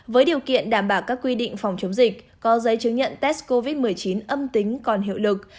với điều kiện đảm bảo các quy định phòng chống dịch có giấy chứng nhận test covid một mươi chín âm tính còn hiệu lực